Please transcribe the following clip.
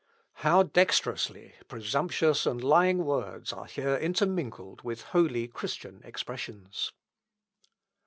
How dexterously presumptuous and lying words are here intermingled with holy Christian expressions!